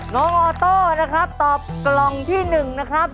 น้องออโต้นะครับตอบกล่องที่๑นะครับ